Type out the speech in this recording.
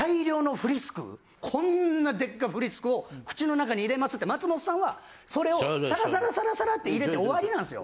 こんなでっかいフリスクを口の中に入れますって松本さんはそれをサラサラって入れて終わりなんすよ。